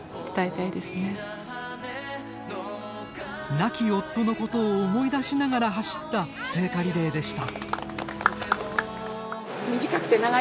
亡き夫のことを思い出しながら走った、聖火リレーでした。